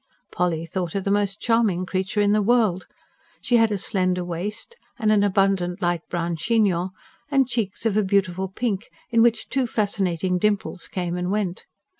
Polly thought her the most charming creature in the world. She had a slender waist, and an abundant light brown chignon, and cheeks of a beautiful pink, in which two fascinating dimples came and went.